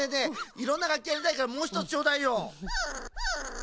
いろんながっきやりたいからもうひとつちょうだいよ。